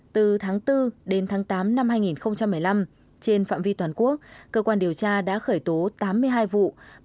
từ tháng bốn đến tháng tám năm hai nghìn một mươi năm trên phạm vi toàn quốc cơ quan điều tra đã khởi tố tám mươi hai vụ